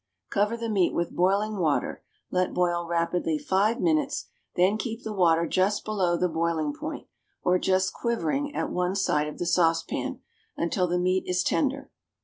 = Cover the meat with boiling water, let boil rapidly five minutes, then keep the water just below the boiling point, or just "quivering" at one side of the saucepan, until the meat is tender.